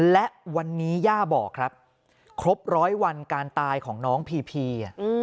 และวันนี้ย่าบอกครับครบร้อยวันการตายของน้องพีพี